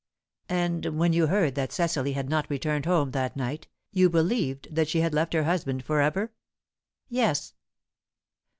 "And when you heard that Cecily had not returned home that night, you believed that she had left her husband for ever? "Yes."